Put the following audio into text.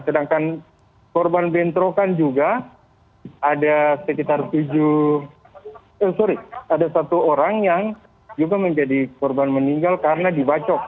sedangkan korban bentrokan juga ada sekitar tujuh eh sorry ada satu orang yang juga menjadi korban meninggal karena dibacok